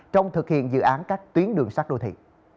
trong thực hiện dự án các tuyến đường sát đô thị